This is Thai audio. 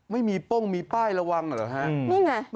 ไม่มีป้องมีป้ายระวังหรอคะ